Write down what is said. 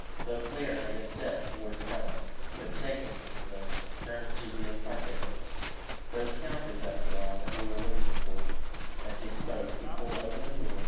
Beauclerc made a step towards Helen, but checking himself, he turned to the ecarté table. "Those counters, after all, that we were looking for " As he spoke he pulled open the drawer.